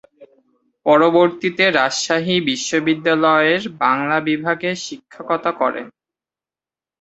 পরবর্তীতে রাজশাহী বিশ্ববিদ্যালয়ের বাংলা বিভাগে শিক্ষকতা করেন।